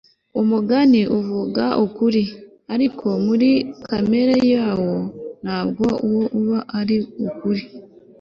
umugani uvuga ukuri, ariko muri kamere yawo ntabwo wo uba ari ukuri